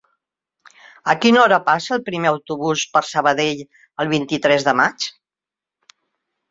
A quina hora passa el primer autobús per Sabadell el vint-i-tres de maig?